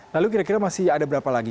lalu kira kira masih ada berapa lagi